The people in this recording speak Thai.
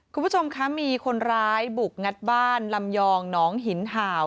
คุณผู้ชมคะมีคนร้ายบุกงัดบ้านลำยองหนองหินห่าว